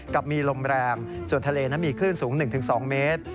กับมีลมแรงส่วนทะเลนั้นมีคลื่นสูง๑๒เมตร